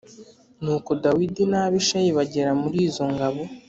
Nuko Dawidi na Abishayi bagera muri izo ngabo